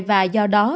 và do đó